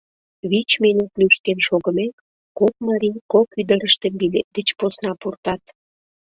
Вич минут лӱшкен шогымек, кок марий кок ӱдырыштым билет деч посна пуртат.